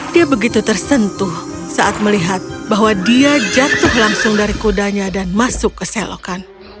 dia begitu tersentuh saat melihat bahwa dia jatuh langsung dari kudanya dan masuk ke selokan